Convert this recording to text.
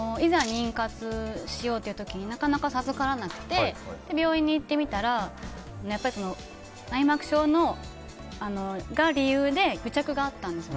妊活しようという時になかなか授からなくて病院に行ってみたら内膜症が理由で癒着があったんです。